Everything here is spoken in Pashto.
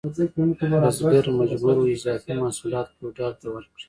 بزګر مجبور و اضافي محصولات فیوډال ته ورکړي.